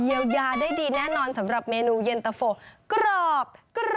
เยียวยาได้ดีแน่นอนสำหรับเมนูเย็นตะโฟกรอบ